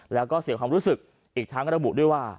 แล้วก็เสียความรู้สึกอีกทั้งระบุด้วยว่า